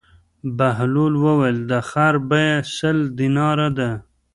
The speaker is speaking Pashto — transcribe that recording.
بهلول وویل: د خر بېه سل دیناره ده.